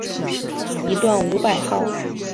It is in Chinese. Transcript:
一段五百号